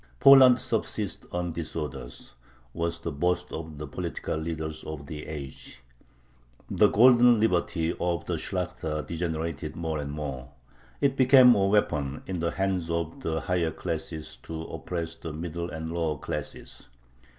"Poland subsists on disorders," was the boast of the political leaders of the age. The "golden liberty" of the Shlakhta degenerated more and more. It became a weapon in the hands of the higher classes to oppress the middle and the lower classes.